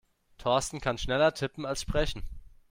Thorsten kann schneller tippen als sprechen.